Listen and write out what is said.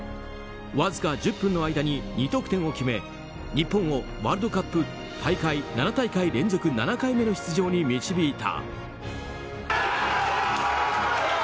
わずか１０分の間に２得点を決め日本をワールドカップ７大会連続７回目の出場に導いた。